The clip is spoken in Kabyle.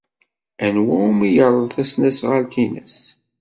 Anwa umi yerḍel tasnasɣalt-nnes?